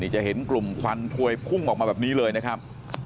จะเห็นกลุ่มควันถวยพุ่งออกมาแบบนี้เลยนะครับ